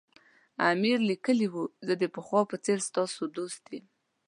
امیر لیکلي وو زه د پخوا په څېر ستاسو دوست یم.